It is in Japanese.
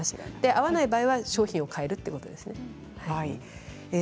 合わない場合は商品をかえるということです。